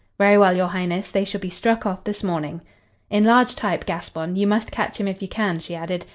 "Very well, your highness. They shall be struck off this morning." "In large type, Gaspon. You must catch him if you can," she added.